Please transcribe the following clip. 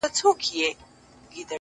هغې به تکه سپينه خوله باندې روژه راوړې;